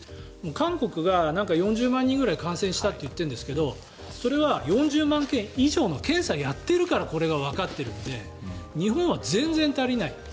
韓国が４０万人ぐらい感染したと言っているんですがそれは４０万件以上の検査をやっているからこれがわかっているので日本は全然足りない。